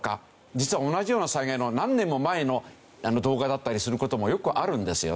実は同じような災害の何年も前の動画だったりする事もよくあるんですよね。